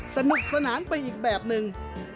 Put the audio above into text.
สนุกสนานไปอีกแบบนึง